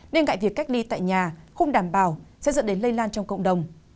nên cạnh việc cách ly tại nhà không đảm bảo sẽ dẫn đến lây lan trong cộng đồng